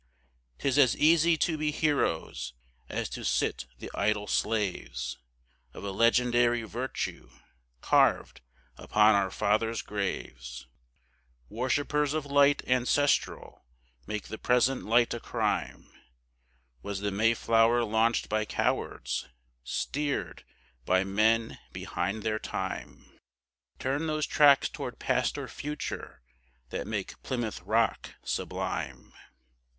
'Tis as easy to be heroes as to sit the idle slaves Of a legendary virtue carved upon our father's graves, Worshippers of light ancestral make the present light a crime;— Was the Mayflower launched by cowards, steered by men behind their time? Turn those tracks toward Past or Future, that make Plymouth Rock sublime?